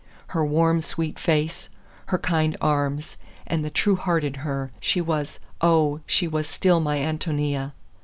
Her warm, sweet face, her kind arms, and the true heart in her; she was, oh, she was still my Ántonia!